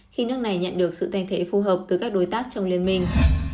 khi nước này nhận được sự thành thị phù hợp từ các đối tác trong liên minh